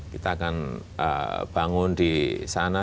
kita akan bangun di sana